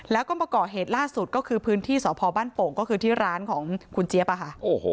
แล้วก็มาก่อเหตุล่าสุดก็คือพื้นที่สพบ้านโป่งก็คือที่ร้านของคุณเจี๊ยบอะค่ะ